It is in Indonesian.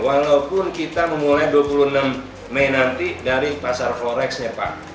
walaupun kita memulai dua puluh enam mei nanti dari pasar forex ya pak